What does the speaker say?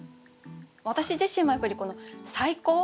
私自身もやっぱりこの「最高」？